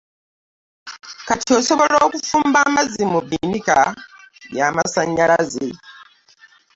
Kati osobola okufumba amazzi mu binika yamasanyalazze.